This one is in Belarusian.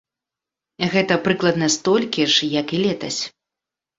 Гэта прыкладна столькі ж, як і летась.